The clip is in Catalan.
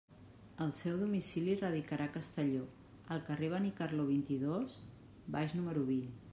El seu domicili radicarà a Castelló, al carrer Benicarló, vint-i-dos, baix, número vint.